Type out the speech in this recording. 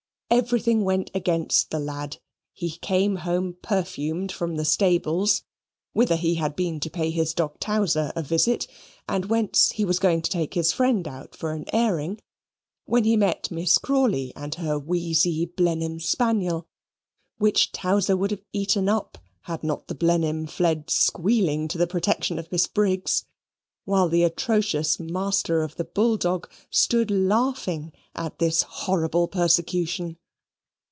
Everything went against the lad: he came home perfumed from the stables, whither he had been to pay his dog Towzer a visit and whence he was going to take his friend out for an airing, when he met Miss Crawley and her wheezy Blenheim spaniel, which Towzer would have eaten up had not the Blenheim fled squealing to the protection of Miss Briggs, while the atrocious master of the bull dog stood laughing at the horrible persecution.